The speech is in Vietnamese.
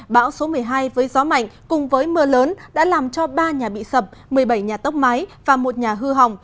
bão số một mươi hai với gió mạnh cùng với mưa lớn đã làm cho ba nhà bị sập một mươi bảy nhà tốc máy và một nhà hư hỏng